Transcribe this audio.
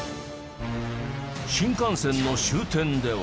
新幹線の終点では。